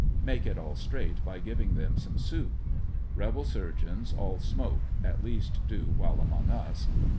Make it all straight by giving them some soup. Rebel surgeons all smoke, at least do w^hile among us.